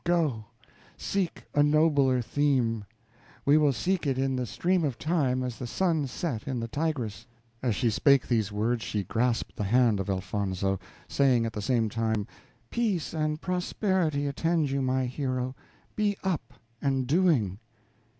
Go, seek a nobler theme! we will seek it in the stream of time as the sun set in the Tigris." As she spake these words she grasped the hand of Elfonzo, saying at the same time, "Peace and prosperity attend you, my hero: be up and doing!"